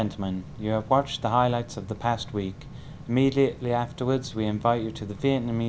năm này như các bạn đã nói sẽ là ngày tập phát triển một trăm linh năm